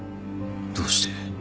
どうして